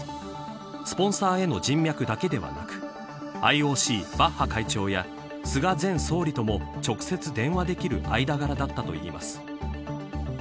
スポンサーへの人脈だけではなくＩＯＣバッハ会長や菅前総理とも直接電話できる間柄だったといいます。